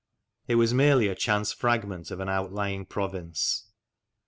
It was merely a chance fragment of an outlying province.